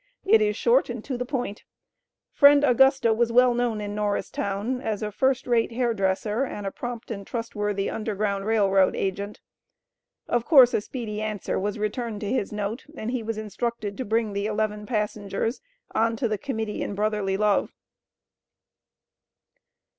It is short and to the point. Friend Augusta was well known in Norristown as a first rate hair dresser and a prompt and trustworthy Underground Rail Road agent. Of course a speedy answer was returned to his note, and he was instructed to bring the eleven passengers on to the Committee in Brotherly Love.